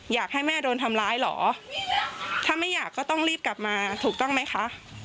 อยากให้แม่โดนทำร้ายเหรอถ้าไม่อยากก็ต้องรีบกลับมาถูกต้องไหมคะ